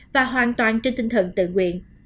và hoàn toàn trên tinh thần tự nguyện